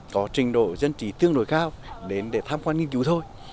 có trình độ dân trí tương đối cao đến để tham quan nghiên cứu thôi